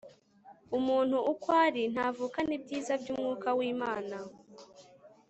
Umuntu ukw ari ntavukanibyiza byUmwuka wlmana